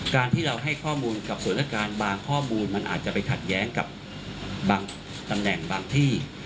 การที่เราให้ข้อมูลกับสถานการณ์บางข้อมูลมันอาจจะไปขัดแย้งกับบางตำแหน่งบางที่